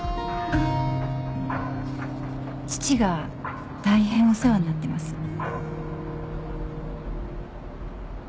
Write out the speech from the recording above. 父が大変お世話になってます。